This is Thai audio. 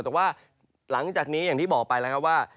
แต่ว่าหลังจากนี้อย่างที่บอกไปแล้วครับว่า